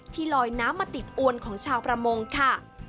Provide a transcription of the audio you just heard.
ลอยน้ำมาติดอวนของชาวประมงค่ะ